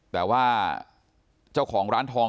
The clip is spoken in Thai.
แต่ว่าเจ้าของร้านทอง